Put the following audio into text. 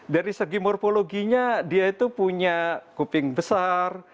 dari segi morpologinya dia itu punya kuping besar